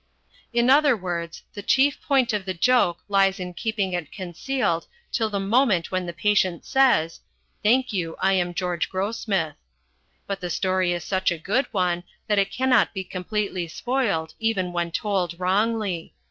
In other words, the chief point of the joke lies in keeping it concealed till the moment when the patient says, "Thank you, I am George Grossmith." But the story is such a good one that it cannot be completely spoiled even when told wrongly.